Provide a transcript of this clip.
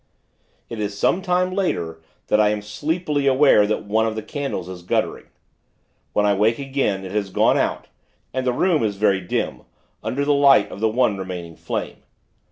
It is some time later, that I am sleepily aware that one of the candles is guttering. When I wake again, it has gone out, and the room is very dim, under the light of the one remaining flame.